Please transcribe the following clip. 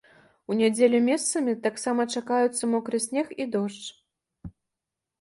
У нядзелю месцамі таксама чакаюцца мокры снег і дождж.